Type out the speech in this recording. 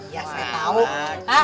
ya saya tau